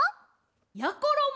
やころも！